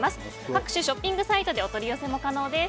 各種ショッピングサイトでお取り寄せも可能です。